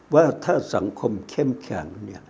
ว่าถ้าสังคมเข้มแข็ง